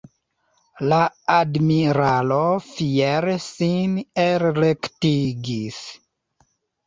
La admiralo fiere sin elrektigis.